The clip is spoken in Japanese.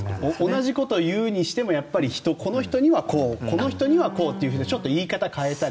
同じこと言うにしてもこの人には、こうこの人には、こうというふうに言い方を変えたり。